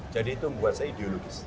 jadi itu membuat saya ideologis